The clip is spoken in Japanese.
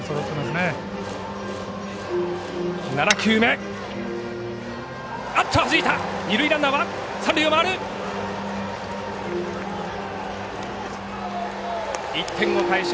二塁ランナーは三塁を回る。